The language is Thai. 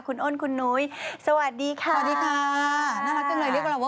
คุณเกษมศิริโอเคนะคะ